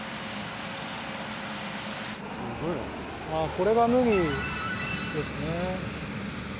これが麦ですね。